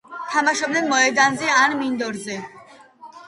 თამაშობენ მოედანზე ან მინდორზე.